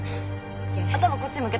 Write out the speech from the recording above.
頭こっち向けて。